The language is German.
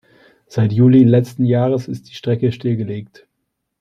Seit Juli letzten Jahres ist die Strecke stillgelegt.